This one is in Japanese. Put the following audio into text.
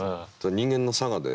人間の性で。